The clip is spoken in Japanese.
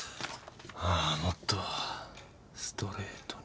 あもっとストレートに。